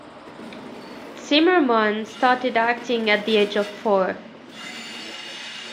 Zimmerman started acting at the age of four.